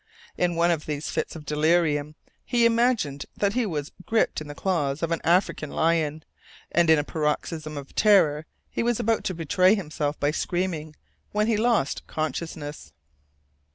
In one of these fits of delirium he imagined that he was gripped in the claws of an African lion,(1) and in a paroxysm of terror he was about to betray himself by screaming, when he lost consciousness.